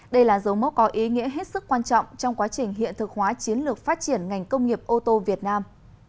đây là dấu mốc có ý nghĩa hết sức quan trọng trong quá trình hiện thực hóa chiến lược phát triển ngành công nghiệp ô tô việt nam